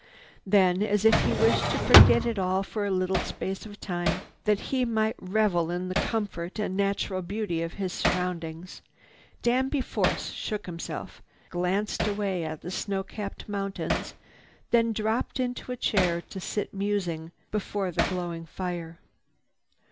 Then, as if he wished to forget it all for a little space of time, that he might revel in the comfort and natural beauty of his surroundings, Danby Force shook himself, glanced away at the snow capped mountains, then dropped into a chair to sit musing before the glowing fire.